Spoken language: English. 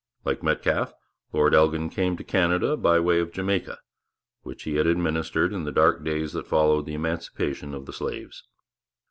Like Metcalfe, Lord Elgin came to Canada by way of Jamaica, which he had administered in the dark days that followed the emancipation of the slaves.